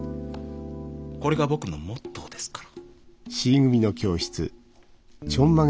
これが僕のモットーですから。